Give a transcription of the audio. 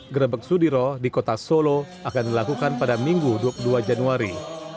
gerebek sudiro di kota solo akan dilakukan pada minggu dua puluh dua januari